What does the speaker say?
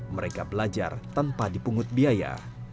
mereka belajar tanpa dipungut biaya